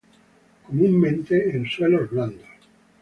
Comúnmente en suelos blandos.